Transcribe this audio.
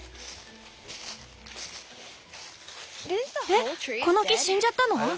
えっこの木死んじゃったの？